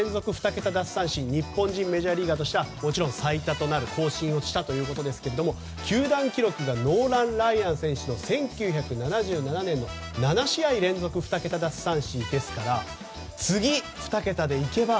２桁奪三振日本人メジャーリーガーとしては初めてもちろん最多となる更新をしたということですが球団記録がノーラン・ライアンさんの１９７７年の７試合連続２桁奪三振ですから次２桁でいけば